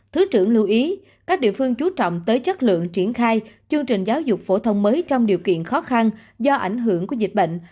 thứ trưởng lưu ý các địa phương chú trọng tới chất lượng triển khai chương trình giáo dục phổ thông mới trong điều kiện khó khăn do ảnh hưởng của dịch bệnh